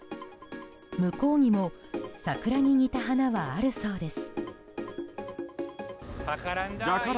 向こうにも桜に似た花はあるそうです。